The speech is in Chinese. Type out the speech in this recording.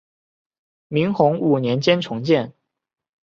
明洪武年间重建。